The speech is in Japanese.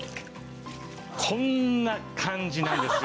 こんな感じなんですよ。